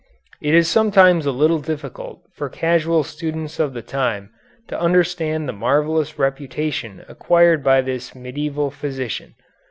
It is sometimes a little difficult for casual students of the time to understand the marvellous reputation acquired by this medieval physician.